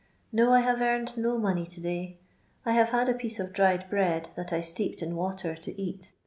No, I have earned no money to day. I hare had a pitee of dried bread that I steeped in water to eat.